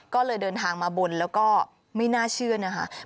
ก็เลยเดินทางมาบนแล้วก็ไม่น่าเชื่อนะคะ